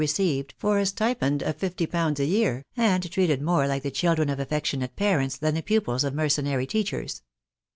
received for a stipend of fifty pounds a year, and treated more like the children of i affectionate tparents^than1 the pupils j of' mercenary teachers..